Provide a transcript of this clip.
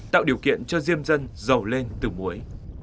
tạo điều kiện cho diêm dân giàu lên từ muối